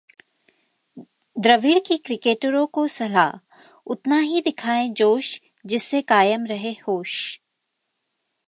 द्रविड़ की क्रिकेटरों को सलाह- उतना ही दिखाएं जोश, जिससे कायम रहे होश